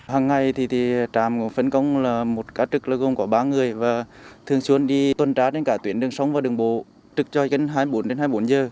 hằng ngày thì tràm phấn công là một cá trực gồm có ba người và thường xuân đi tuần trá trên cả tuyến đường sống và đường bộ trực cho gần hai mươi bốn đến hai mươi bốn giờ